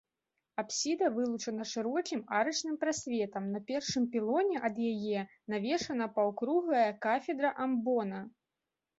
Апсіда вылучана шырокім арачным прасветам, на першым пілоне ад яе навешана паўкруглая кафедра амбона.